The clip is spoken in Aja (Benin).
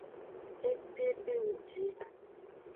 Etedengji.